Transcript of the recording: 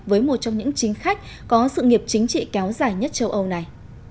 với một trong những chính khách có sự nghiệp chính trị kéo dài nhất châu âu này